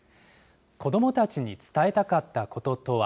子どもたちに伝えたかったこととは。